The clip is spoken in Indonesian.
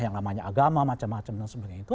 yang namanya agama macam macam dan sebagainya itu